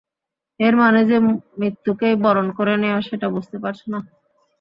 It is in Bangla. এর মানে যে মৃত্যুকেই বরণ করে নেয়া সেটা বুঝতে পারছ তো?